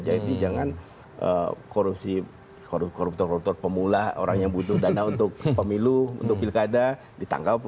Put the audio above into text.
jangan korupsi koruptor koruptor pemula orang yang butuh dana untuk pemilu untuk pilkada ditangkap